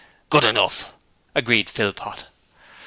'Good enough!' agreed Philpot.